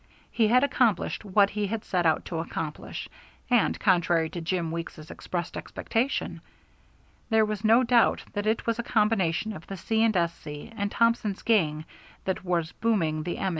He had accomplished what he had set out to accomplish, and contrary to Jim Weeks's expressed expectation. There was no doubt that it was a combination of the C. & S.C. and Thompson's gang that was booming the M.